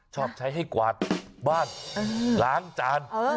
ชอบใช้ให้กวาดบ้านล้างจาน